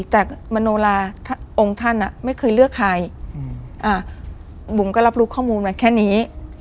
แต่มโนลาองค์ท่านไม่เคยเลือกใครบุ๋มก็รับรู้ข้อมูลมาแค่นี้